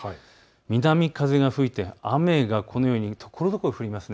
南風が吹いて雨がところどころ降ります。